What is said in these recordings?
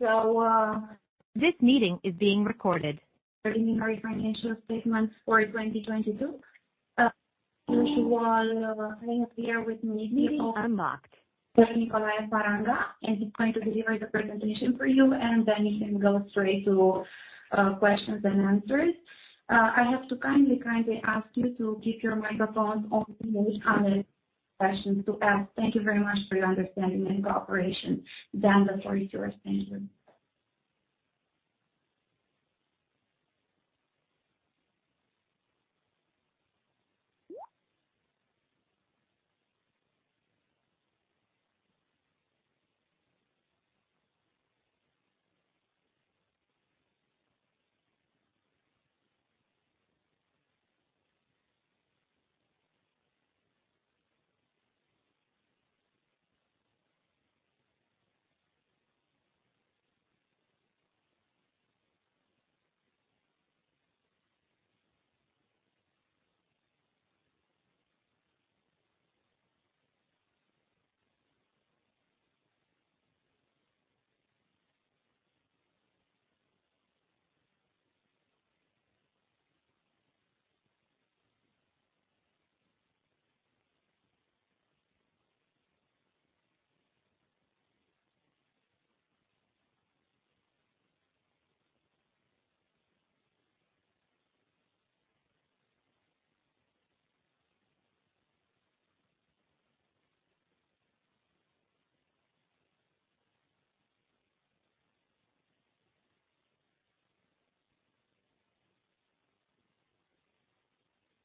Hi. Preliminary Financial Statements for 2022. Usual thing here. Dan Niculaie Faranga. He's going to deliver the presentation for you. We can go straight to questions and answers. I have to kindly ask you to keep your microphones off unless you have a question to ask. Thank you very much for your understanding and cooperation. Dan, sorry to interrupt you.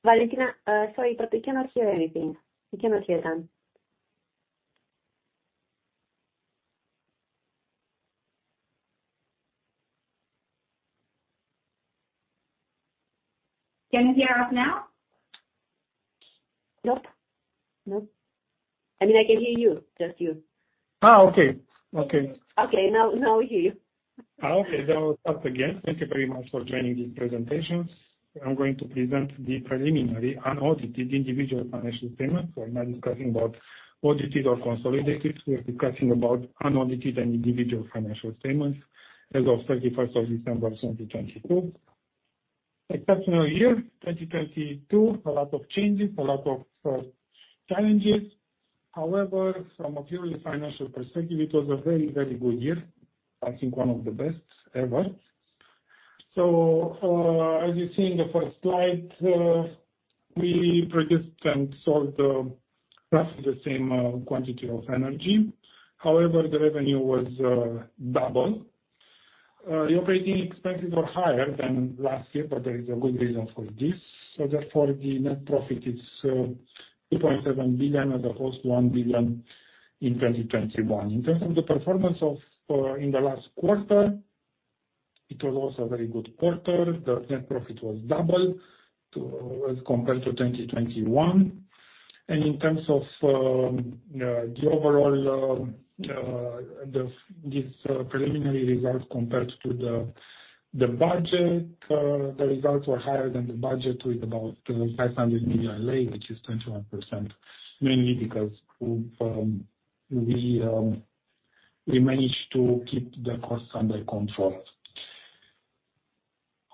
Valentina, sorry, we cannot hear anything. We cannot hear Dan. Can you hear us now? Nope. I mean, I can hear you, just you. Okay. Okay. Now we hear you. Okay. I'll start again. Thank you very much for joining this presentation. I'm going to present the preliminary unaudited individual financial statements. We're not discussing about audited or consolidated. We're discussing about unaudited and individual financial statements as of 31st of December 2022. Exceptional year, 2022. A lot of changes, a lot of challenges. However, from a purely financial perspective, it was a very, very good year, I think one of the best ever. As you see in the first slide, we produced and sold roughly the same quantity of energy. However, the revenue was double. The operating expenses were higher than last year, but there is a good reason for this. Therefore, the net profit is RON 2.7 billion as opposed to RON 1 billion in 2021. In terms of the performance of in the last quarter, it was also a very good quarter. The net profit was double as compared to 2021. In terms of the overall these preliminary results compared to the budget, the results were higher than the budget with about RON 500 million, which is 21%, mainly because we've we managed to keep the costs under control.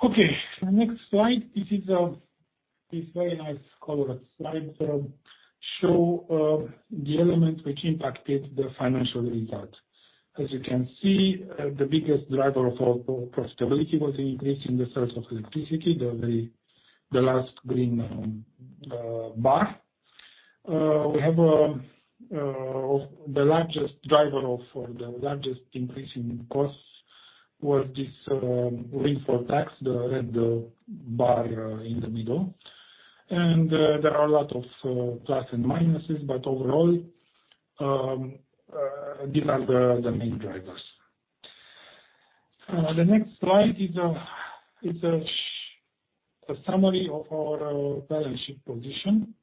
The next slide. This is this very nice colored slide show the elements which impacted the financial results. As you can see, the biggest driver of our profitability was increasing the sales of electricity, the last green bar. We have the largest increase in costs was this windfall tax, the red bar in the middle. There are a lot of plus and minuses, but overall, these are the main drivers. The next slide is a summary of our balance sheet position.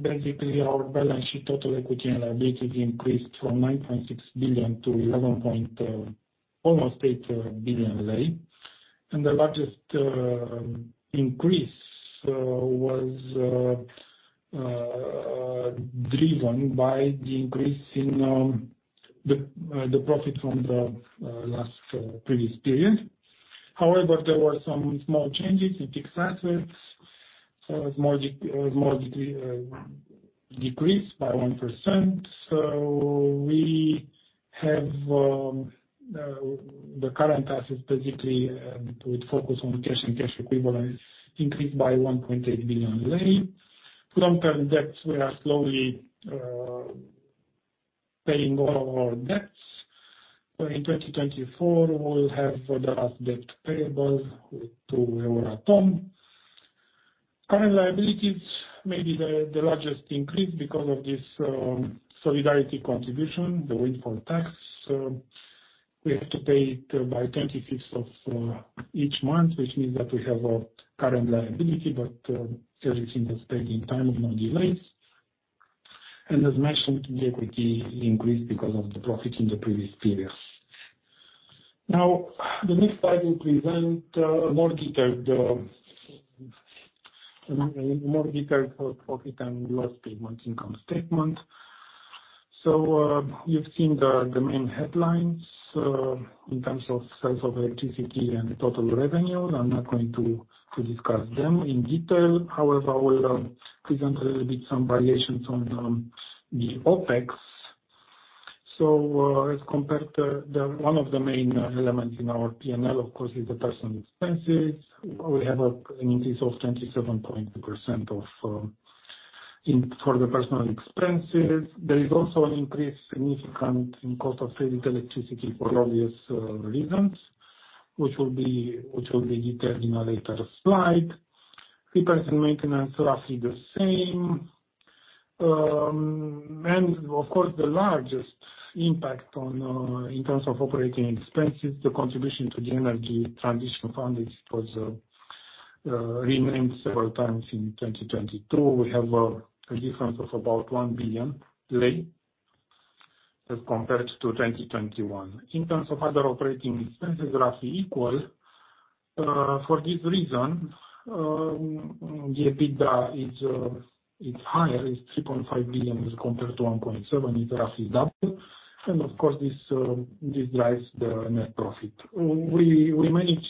Basically our balance sheet, total equity and liabilities increased from RON 9.6 billion to RON 11.8 billion. The largest increase was driven by the increase in the profit from the last previous period. However, there were some small changes in fixed assets, so it was more decreased by 1%. We have the current assets basically, with focus on cash and cash equivalents increased by RON 1.8 billion. Long-term debts, we are slowly paying all of our debts. In 2024, we'll have the last debt payable to Euratom. Current liabilities, maybe the largest increase because of this solidarity contribution, the windfall tax. We have to pay it by 25th of each month, which means that we have a current liability, but everything is paid in time, no delays. As mentioned, the equity increased because of the profit in the previous period. The next slide will present more detailed. More details for Profit and Loss statement, Income statement. You've seen the main headlines in terms of sales of electricity and total revenue. I'm not going to discuss them in detail. However, I will present a little bit some variations on the OpEx. One of the main elements in our P&L, of course, is the personal expenses. We have an increase of 27.2% for the personal expenses. There is also an increase, significant, in cost of physical electricity for obvious reasons, which will be detailed in a later slide. Repairs and maintenance, roughly the same. Of course, the largest impact in terms of operating expenses, the contribution to the Energy Transition Fund. It was renamed several times in 2022. We have a difference of about RON 1 billion as compared to 2021. In terms of other operating expenses, roughly equal. For this reason, the EBITDA is higher. It's RON 3.5 billion as compared to RON 1.7 billion. It roughly double. Of course this drives the net profit. We manage,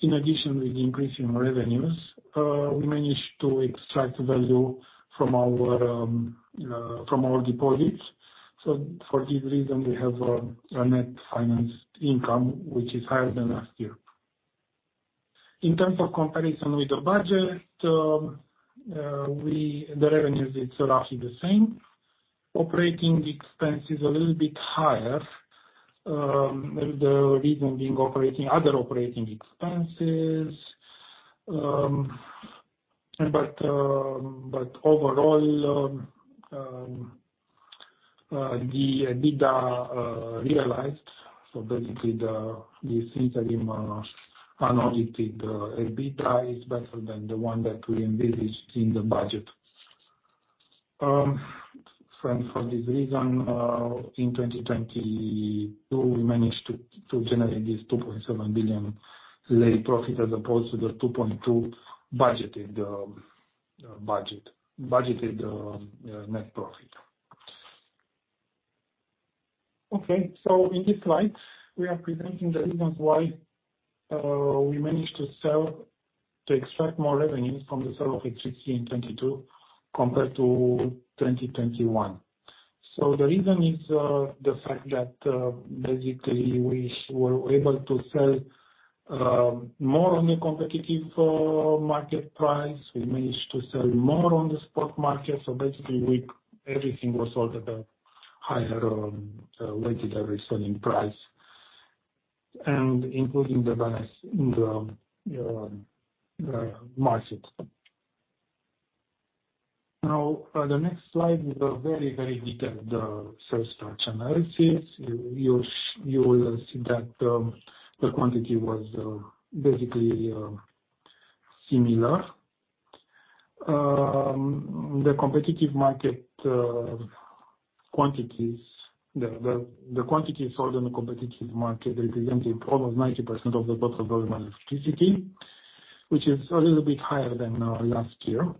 in addition with increasing revenues, we manage to extract value from our deposits. For this reason, we have a net finance income which is higher than last year. In terms of comparison with the budget, the revenues is roughly the same. Operating expense is a little bit higher, with the reason being operating, other operating expenses. Overall, the EBITDA realized, so basically this interim, unaudited EBITDA is better than the one that we envisaged in the budget. For this reason, in 2022, we managed to generate this RON 2.7 billion profit as opposed to the RON 2.2 budgeted net profit. In this slide we are presenting the reasons why we managed to extract more revenues from the sale of electricity in 2022 compared to 2021. The reason is the fact that basically we were able to sell more on a competitive market price. We managed to sell more on the spot market, so basically everything was sold at a higher weighted average selling price and including the gas in the market. On the next slide is a very, very detailed sales mix analysis. You will see that the quantity was basically similar. The competitive market quantities, the quantity sold on the competitive market represented almost 90% of the total volume of electricity, which is a little bit higher than last year.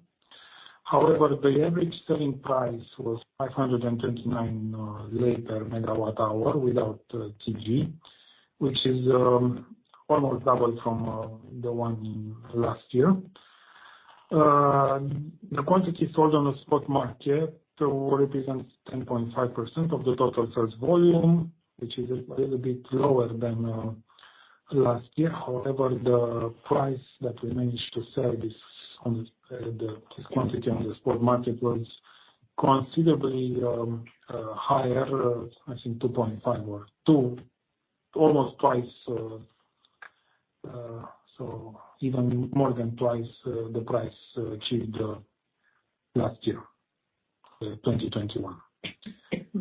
The average selling price was 529 lei/MWh without T&G, which is almost double from the one last year. The quantity sold on the spot market represents 10.5% of the total sales volume, which is a little bit lower than last year. The price that we managed to sell this on the this quantity on the spot market was considerably higher. I think 2.5 or two, almost twice, so even more than twice, the price achieved last year, 2021.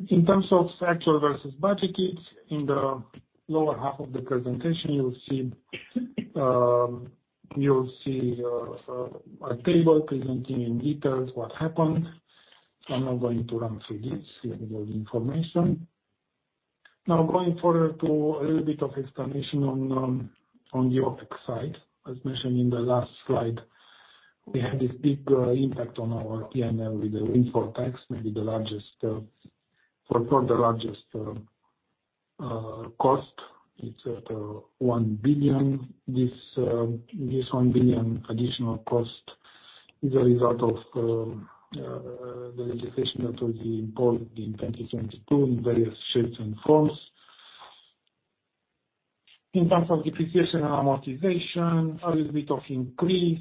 In terms of actual versus budgeted, in the lower half of the presentation, you'll see a table presenting in details what happened. I'm not going to run through this. You have all the information. Now, going further to a little bit of explanation on the OpEx side. As mentioned in the last slide, we had this big impact on our P&L with the windfall tax, maybe the largest or not the largest cost. It's at RON 1 billion. This RON 1 billion additional cost is a result of the legislation that was being brought in 2022 in various shapes and forms. In terms of depreciation and amortization, a little bit of increase,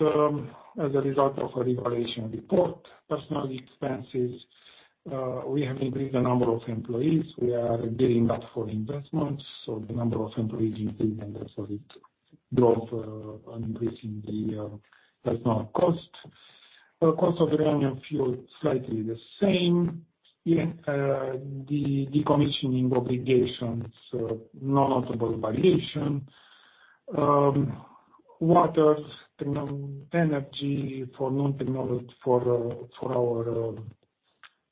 as a result of a revaluation of the port. Personnel expenses, we have increased the number of employees. We are gearing up for investments, so the number of employees increased and that's what it drove an increase in the personnel cost. Cost of uranium fuel, slightly the same. The decommissioning obligations, no notable variation. Water, energy for our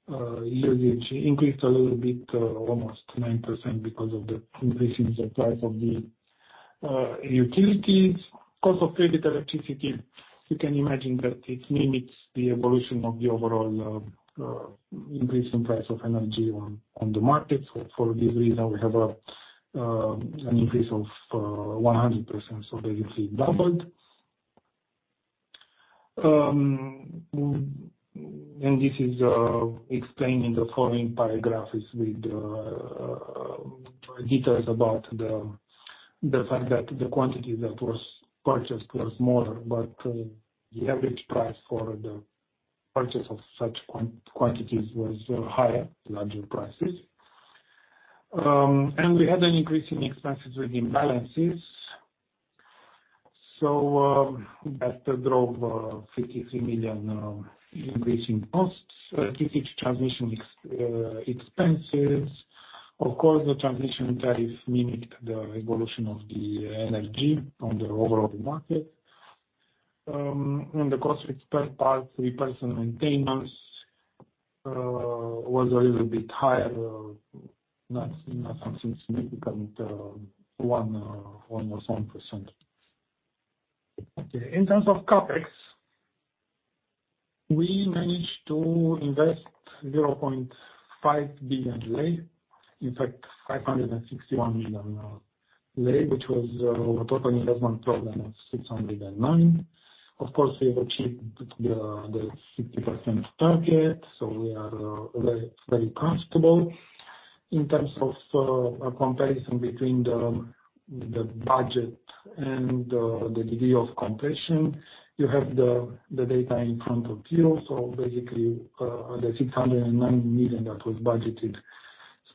increased a little bit, almost 9% because of the increase in the price of the utilities. Cost of credit electricity, you can imagine that it mimics the evolution of the overall increase in price of energy on the market. For this reason, we have an increase of 100%. Basically doubled. This is explained in the following paragraphs with details about the fact that the quantity that was purchased was more, the average price for the purchase of such quantities was higher, larger prices. We had an increase in expenses with imbalances. That drove a RON 53 million increase in costs. Leakage transmission expenses. Of course, the transmission tariff mimicked the evolution of the energy on the overall market. The cost fixed per part replacement maintenance was a little bit higher. Not something significant. One or some %. Okay. In terms of CapEx, we managed to invest RON 0.5 billion. In fact, RON 561 million, which was a total investment program of RON 609 million. Of course, we have achieved the 60% target. We are very, very comfortable. In terms of a comparison between the budget and the degree of completion, you have the data in front of you. Basically, the RON 609 million that was budgeted,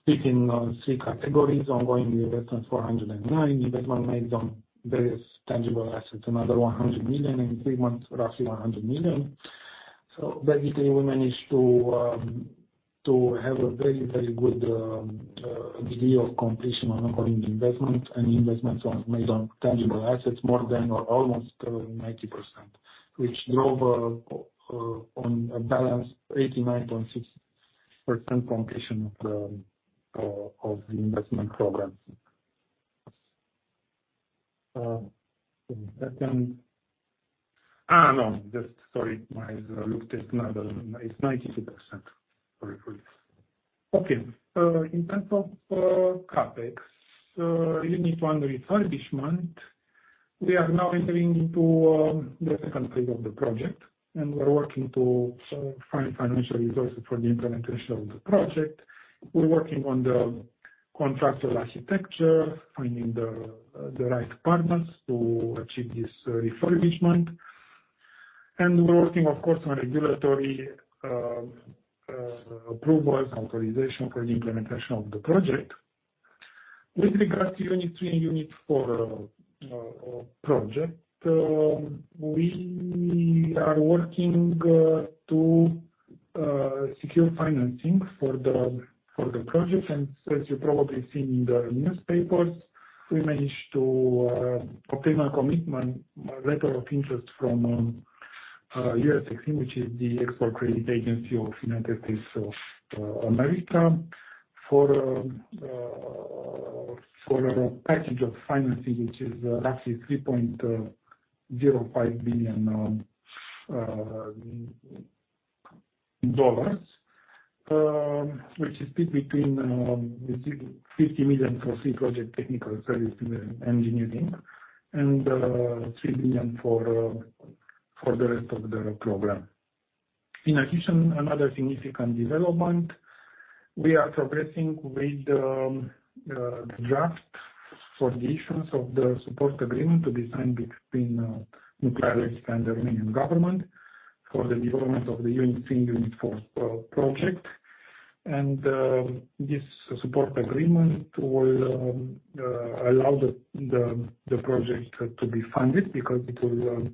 speaking on three categories, ongoing investments RON 409 million, investment made on various tangible assets, another RON 100 million, and three months, roughly RON 100 million. Basically, we managed to have a very, very good degree of completion on according investment. Investments was made on tangible assets more than almost 90%, which drove on a balance 89.6% completion of the investment program. No, just sorry. My eyes looked at another. It's 92%. Sorry for this. Okay. In terms of CapEx, Unit I refurbishment, we are now entering into the second phase of the project, and we're working to find financial resources for the implementation of the project. We're working on the contractual architecture, finding the right partners to achieve this refurbishment. We're working, of course, on regulatory approvals, authorization for the implementation of the project. With regards to Unit 3 and Unit 4 project, we are working to secure financing for the project. As you probably seen in the newspapers, we managed to obtain a commitment, a letter of interest from EXIM, which is the Export Credit Agency of United States of America, for a package of financing, which is roughly $3.05 billion. Which is split between $50 million for pre-project technical service and engineering, and $3 billion for the rest of the program. In addition, another significant development, we are progressing with the draft for the issuance of the Support Agreement to be signed between Nuclearelectrica and the Romanian government for the development of the Unit III and Unit IV project. This Support Agreement will allow the project to be funded because it will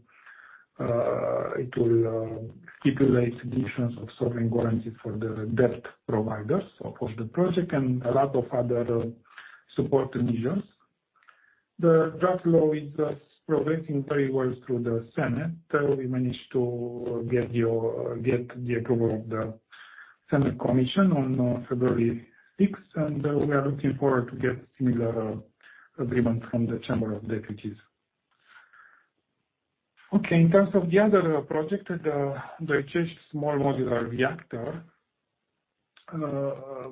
stipulate the issuance of sovereign guarantee for the debt providers of the project and a lot of other support conditions. The draft law is progressing very well through the Senate. We managed to get the approval of the Senate Commission on February 6th, and we are looking forward to get similar agreement from the Chamber of Deputies. In terms of the other project, the small modular reactor. A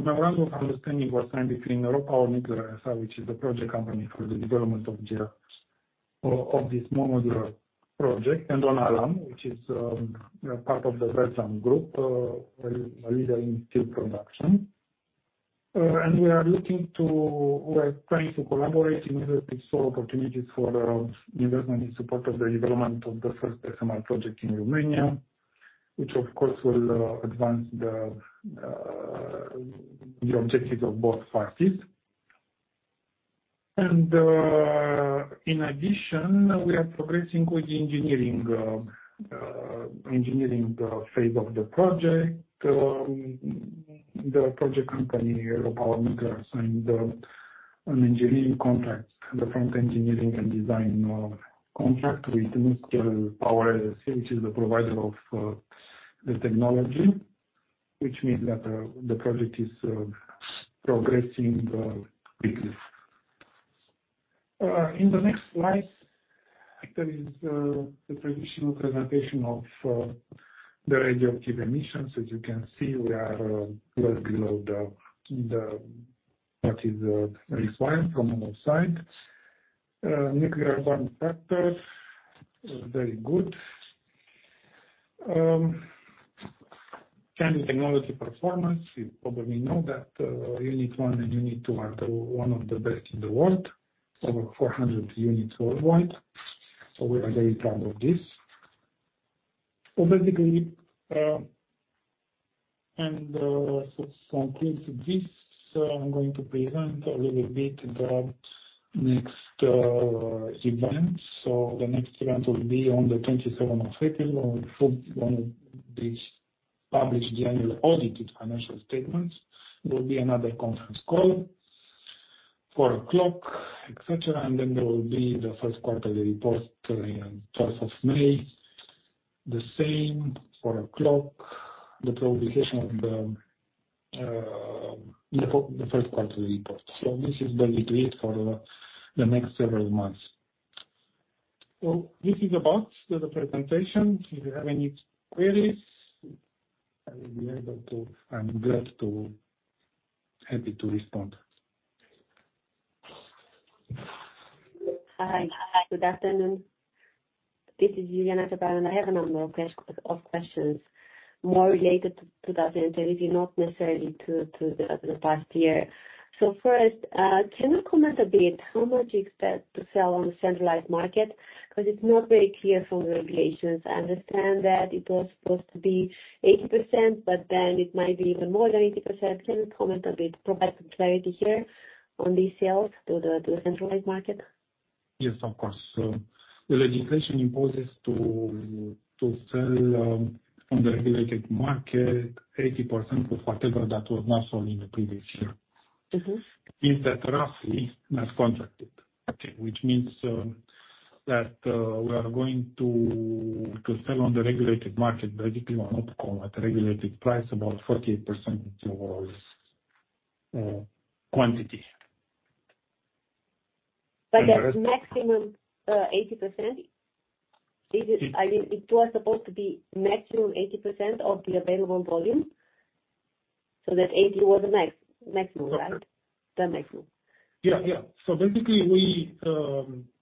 memorandum of understanding was signed between RoPower Nuclear S.A., which is the project company for the development of this small modular project, and Donalam, which is part of the Beltrame Group, a leader in steel production. We're trying to collaborate in order to explore opportunities for investment in support of the development of the first SMR project in Romania, which of course will advance the objectives of both parties. In addition, we are progressing with the engineering phase of the project. The project company, RoPower Nuclear signed an engineering contract, the front engineering and design contract, with NuScale Power, LLC, which is the provider of the technology, which means that the project is progressing quickly. In the next slide, there is the traditional presentation of the radioactive emissions. As you can see, we are well below what is required from our side. Nuclear plant factor is very good. CANDU technology performance, you probably know that Unit I and Unit II are the one of the best in the world. Over 400 units worldwide. We are very proud of this. Basically, and, so to conclude this, I'm going to present a little bit the next events. The next event will be on the 27th of April, for one of these published annual audited financial statements. There will be another conference call, 4:00 P.M., et cetera, and then there will be the first quarterly report on 12th of May. The same, 4:00 P.M., the publication of the first quarterly report. This is basically it for the next several months. This is about the presentation. If you have any queries, I will be glad to, happy to respond. Hi. Good afternoon. This is Iuliana Pana. I have a number of questions more related to that energy, not necessarily to the past year. First, can you comment a bit how much you expect to sell on the centralized market? 'Cause it's not very clear from the regulations. I understand that it was supposed to be 80%, but then it might be even more than 80%. Can you comment a bit, provide some clarity here on these sales to the centralized market? Yes, of course. The legislation imposes to sell on the regulated market 80% of whatever that was not sold in the previous year. Mm-hmm. Is that roughly not contracted? Okay. Which means that we are going to sell on the regulated market, basically on OPCOM at the regulated price, about 48% of all quantity. That's maximum, 80%. I mean, it was supposed to be maximum 80% of the available volume. That 80 was maximum, right? Okay. The maximum. Yeah, yeah. Basically,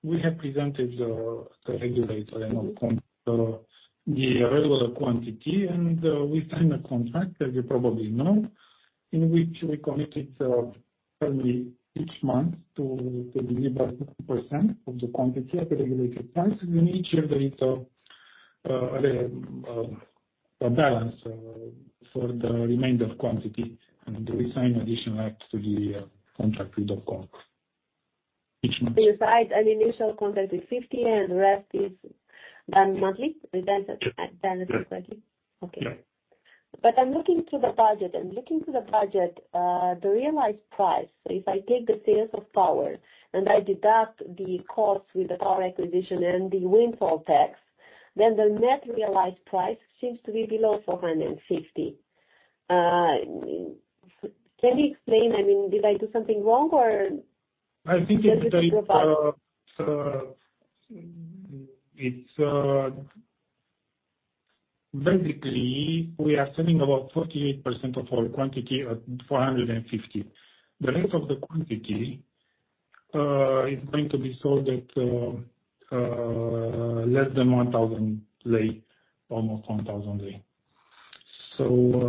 we have presented the regulator the available quantity. We signed a contract, as you probably know, in which we committed only each month to deliver 50% of the quantity at the regulated price. In each of it, a balance for the remainder of quantity. We sign additional act to the contract with the OPCOM each month. You signed an initial contract with 50, and the rest is done monthly. Yeah. As a credit? Yeah. Okay. Yeah. I'm looking to the budget. I'm looking to the budget, the realized price. If I take the sales of power and I deduct the cost with the power acquisition and the windfall tax, the net realized price seems to be below 450 lei/MWh. Can you explain? I mean, did I do something wrong? I think it's. Can you just provide- It's. Basically, we are selling about 48% of our quantity at RON 450. The rest of the quantity is going to be sold at less than RON 1,000, almost RON 1,000.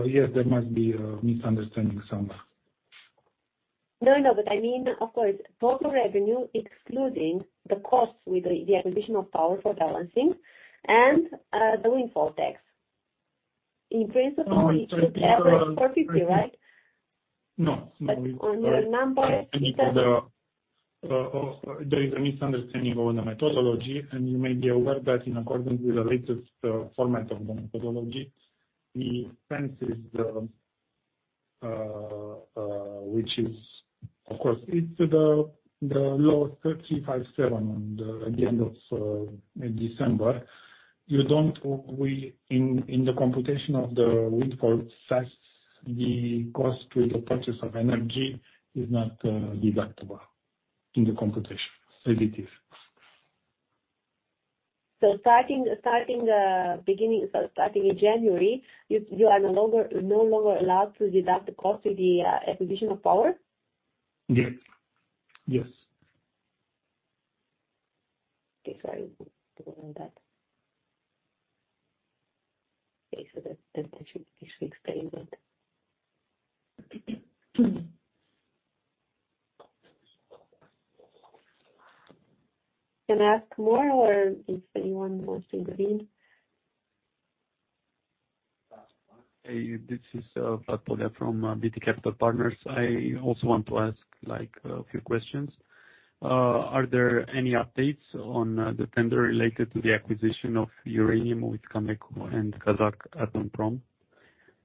Yes, there must be a misunderstanding somewhere. No, no. I mean, of course, total revenue excluding the costs with the acquisition of power for balancing and the windfall tax. In principle- No, I'm sorry. It should average perfectly, right? No. No. On your numbers, it doesn't. I think there is a misunderstanding on the methodology. You may be aware that in accordance with the latest format of the methodology, the expense is the, which is of course, it's the Law 357 on the end of December. In the computation of the windfall tax, the cost with the purchase of energy is not deductible in the computation. It is. Starting in January, you are no longer allowed to deduct the cost with the acquisition of power? Yeah. Yes. Okay. Sorry. I didn't know that. Okay. That should, this should explain that. Can I ask more or is anyone wants to intervene? Hey, this is Vlad Pintilie from BT Capital Partners. I also want to ask, like, a few questions. Are there any updates on the tender related to the acquisition of uranium with Cameco and Kazatomprom?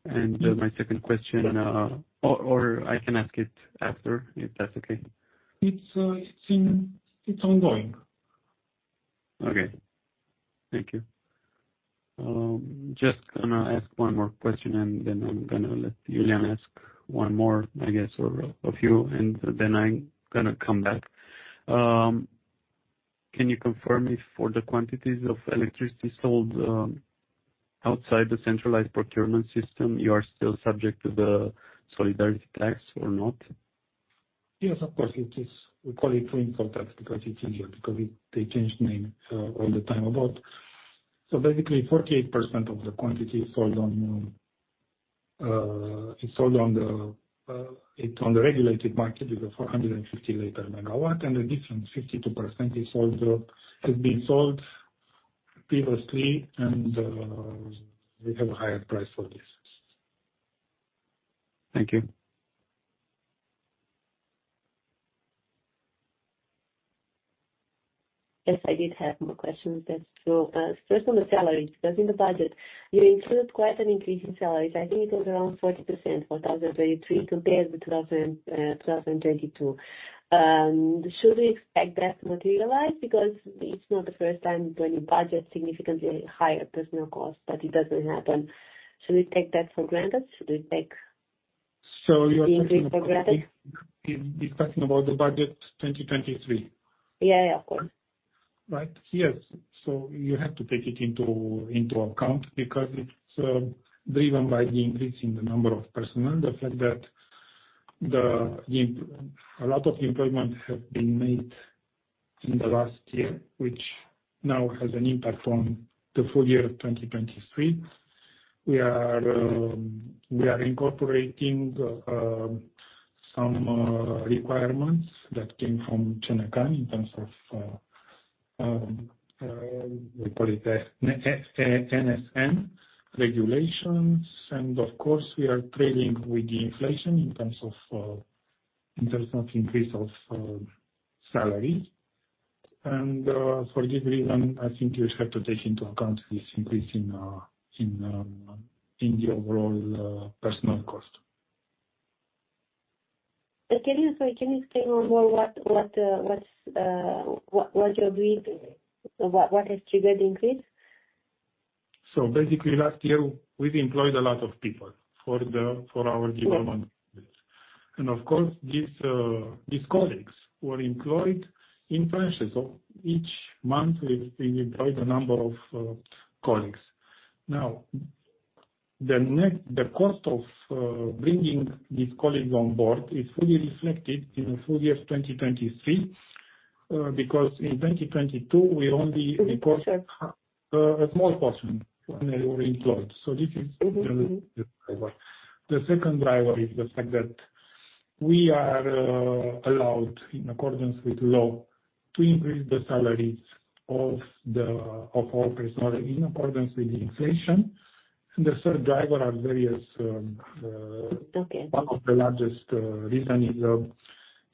My second question. Or I can ask it after, if that's okay. It's ongoing. Okay. Thank you. Just gonna ask one more question, and then I'm gonna let Julian ask one more, I guess, or a few, and then I'm gonna come back. Can you confirm if for the quantities of electricity sold, outside the centralized procurement system, you are still subject to the solidarity tax or not? Yes, of course it is. We call it windfall tax because it's easier, because they change name all the time about. Basically 48% of the quantity is sold on the regulated market with a 450 lei/MWh, and the different 52% has been sold previously, and we have a higher price for this. Thank you. Yes, I did have more questions as to first on the salaries, because in the budget you include quite an increase in salaries. I think it was around 40% for 2023 compared with 2022. Should we expect that to materialize? It's not the first time when you budget significantly higher personal costs, but it doesn't happen. Should we take that for granted? You're asking about. The increase for granted? You're discussing about the budget 2023? Yeah. Yeah. Of course. Right. Yes. You have to take it into account because it's driven by the increase in the number of personnel. The fact that a lot of employment has been made in the last year, which now has an impact on the full year 2023. We are incorporating some requirements that came from CNCAN in terms of, we call it NSN regulations. Of course, we are trading with the inflation in terms of increase of salary. For this reason, I think you have to take into account this increase in the overall personal cost. Can you, sorry, can you explain on what you're doing? What has triggered the increase? Basically last year we've employed a lot of people for our development. Of course, these colleagues who are employed in phases. Each month we employ the number of colleagues. The cost of bringing these colleagues on board is fully reflected in the full year of 2023 because in 2022 we only incurred. Is it cost cut? A small portion when they were employed. This is the driver. The second driver is the fact that we are allowed, in accordance with law, to increase the salaries of our personnel in accordance with the inflation. The third driver are various. Okay. One of the largest reason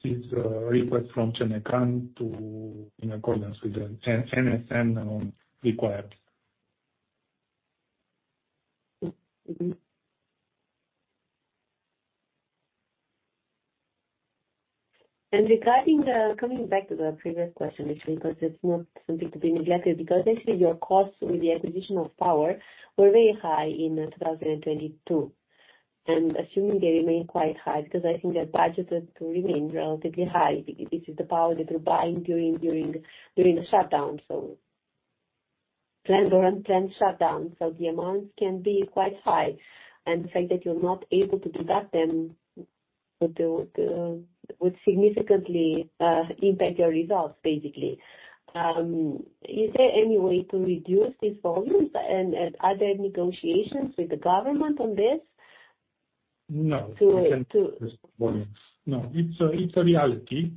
is request from CNCAN to in accordance with the NSN required. Mm-hmm. Regarding, coming back to the previous question, actually, because it's not something to be neglected, because basically your costs with the acquisition of power were very high in 2022. Assuming they remain quite high, because I think they're budgeted to remain relatively high, because this is the power that you're buying during a shutdown. Planned or unplanned shutdown. The amounts can be quite high. The fact that you're not able to do that, then would significantly impact your results basically. Is there any way to reduce these volumes and are there negotiations with the government on this? No. To, to- No. It's a reality.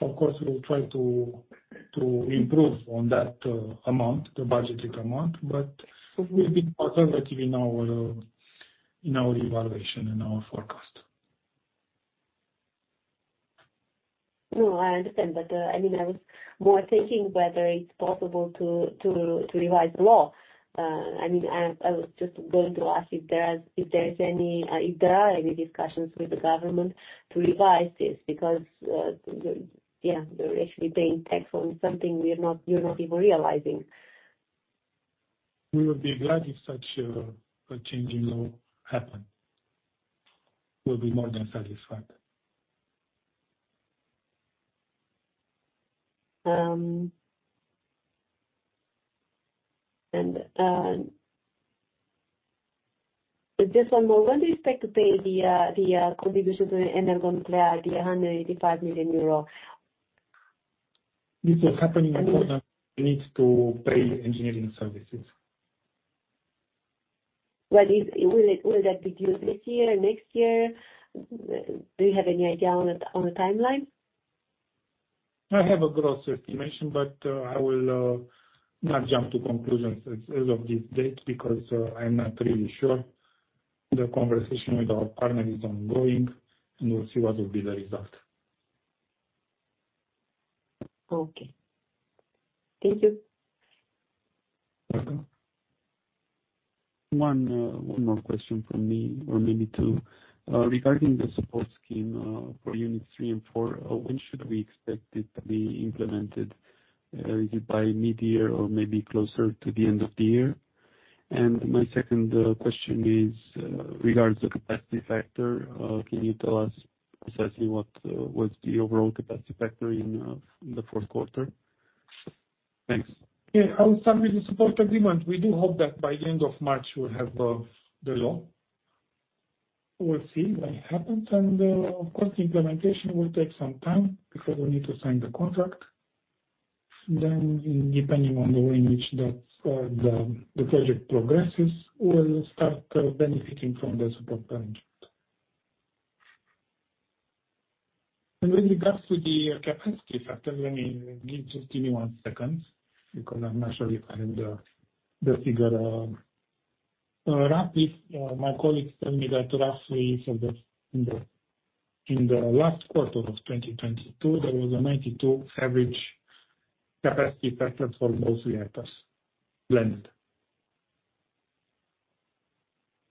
Of course, we will try to improve on that amount, the budgeted amount, but it will be conservative in our evaluation and our forecast. No, I understand. I mean, I was more thinking whether it's possible to revise the law. I mean, I was just going to ask if there are any discussions with the government to revise this because Yeah, we're actually paying tax on something we're not even realizing. We would be glad if such a changing law happen. We'll be more than satisfied. Just one more. When do you expect to pay the contribution to EnergoNuclear, the EUR 185 million? This is happening according needs to pay engineering services. Will it, will that be due this year, next year? Do you have any idea on a timeline? I have a gross estimation, but I will not jump to conclusions as of this date because I'm not really sure. The conversation with our partner is ongoing. We'll see what will be the result. Okay. Thank you. Welcome. One, one more question from me, or maybe two. Regarding the support scheme for Unit III and IV, when should we expect it to be implemented? Is it by mid-year or maybe closer to the end of the year? My second question is, regards the capacity factor. Can you tell us precisely what was the overall capacity factor in the fourth quarter? Thanks. Yeah. I will start with the Support Agreement. We do hope that by the end of March we'll have the law. We'll see what happens. Of course, the implementation will take some time before we need to sign the contract. Depending on the way in which that the project progresses, we'll start benefiting from the support arrangement. With regards to the capacity factor, just give me one second because I'm not sure if I have the figure. Roughly, my colleagues tell me that roughly in the last quarter of 2022 there was a 92% average capacity factor for both reactors blended.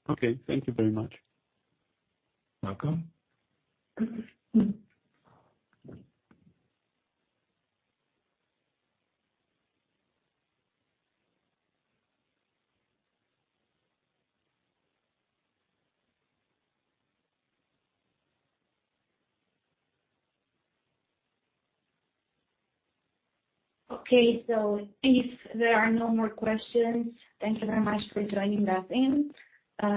Okay. Thank you very much. Welcome. Okay. If there are no more questions, thank you very much for joining us in.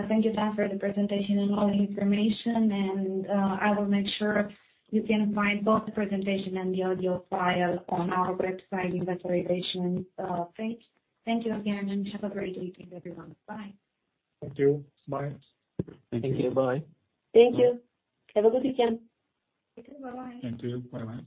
Thank you, Dan, for the presentation and all the information. I will make sure you can find both the presentation and the audio file on our website investor relations page. Thank you again. Have a great weekend, everyone. Bye. Thank you. Bye. Thank you. Bye. Thank you. Have a good weekend. Okay. Bye-bye. Thank you. Bye-bye.